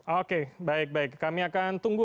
oke baik baik kami akan tunggu